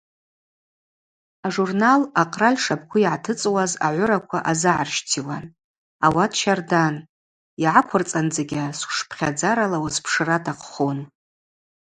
Ажурнал акъраль шабгу йгӏатыцӏуаз агӏвыраква азыгӏарщтийуан, ауат щардан, йгӏаквырцӏандзыкӏьа сквшпхьадзарала уазпшра атахъхун.